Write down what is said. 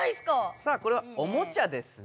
さあこれはおもちゃですね。